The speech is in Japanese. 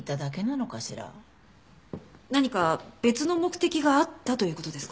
何か別の目的があったという事ですか？